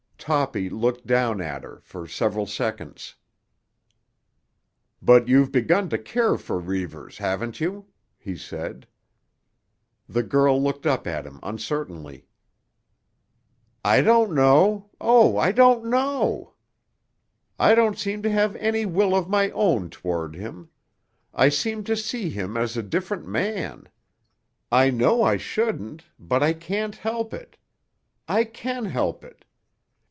Toppy looked down at her for several seconds. "But you've begun to care for Reivers, haven't you?" he said. The girl looked up at him uncertainly. "I don't know. Oh, I don't know! I don't seem to have any will of my own toward him. I seem to see him as a different man. I know I shouldn't; but I can't help it, I can help it!